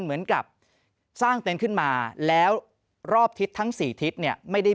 เหมือนกับสร้างเต็นต์ขึ้นมาแล้วรอบทิศทั้ง๔ทิศเนี่ยไม่ได้